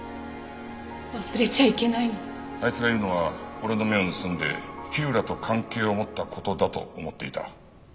あいつが言うのは俺の目を盗んで火浦と関係を持った事だと思っていた。